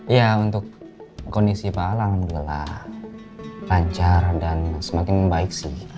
ya untuk kondisi pak al akan juga lancar dan semakin baik sih